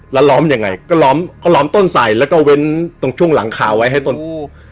แล้วล้อมยังไงก็ล้อมก็ล้อมต้นใส่แล้วก็เว้นตรงช่วงหลังคาไว้ให้ต้นอู้